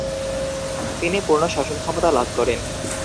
তিনি পূর্ণ শাসনক্ষমতা লাভ করেন।